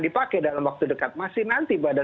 dipakai dalam waktu dekat masih nanti pada